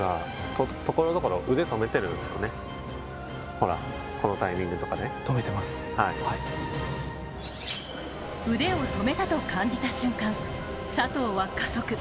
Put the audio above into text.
ほら、このタイミングとかね腕を止めたと感じた瞬間、佐藤は加速。